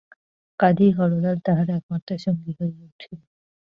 কাজেই হরলাল তাহার একমাত্র সঙ্গী হইয়া উঠিল।